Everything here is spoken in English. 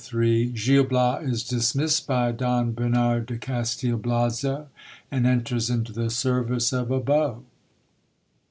— Gil Bias is dismissed by Don Bernard de Castil Blazo, and enters into the service of a beau.